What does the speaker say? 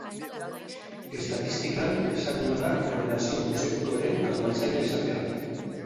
Estatistikan, ezaguna da korrelazio kontzeptuaren asmatzailea izateagatik.